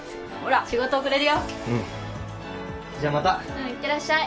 うん。いってらっしゃい。